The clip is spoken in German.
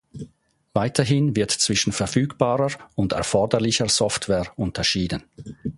Weiterhin wird zwischen verfügbarer und erforderlicher Software unterschieden.